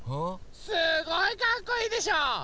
すごいかっこいいでしょ！